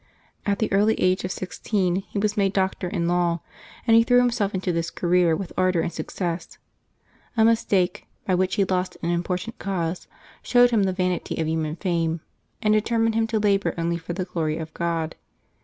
At the early age of sixteen he was made August 2] LIVES OF THE SAINTS 269 doctor in law, and he threw himself into this career with ardor and success. A mistake, by which he lost an im portant cause, showed him the vanity of human fame, and determined him to labor only for the glory of God.